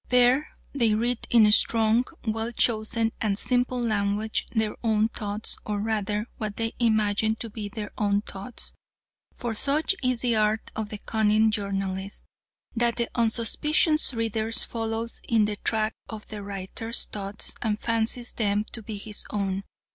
There they read in strong, well chosen and simple language their own thoughts, or rather, what they imagine to be their own thoughts; for such is the art of the cunning journalist, that the unsuspicious reader follows in the track of the writer's thoughts and fancies them to be his own."